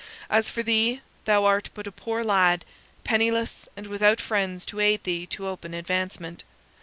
As for thee, thou art but a poor lad, penniless and without friends to aid thee to open advancement.